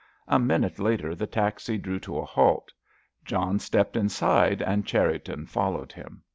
A minute later the taxi drew to a halt. John stepped inside, and Cherriton followed him.